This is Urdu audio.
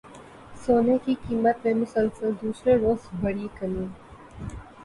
سونے کی قیمت میں مسلسل دوسرے روز بڑی کمی